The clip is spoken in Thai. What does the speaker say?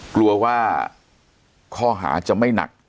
กลัวว่าข้อหาจะไม่หนัก